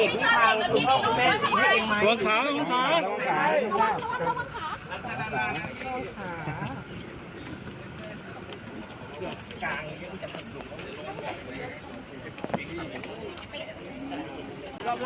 พี่เอ็มเป็นที่รักลูกไหมพี่